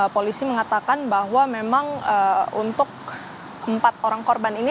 polisi mengatakan bahwa memang untuk empat orang korban ini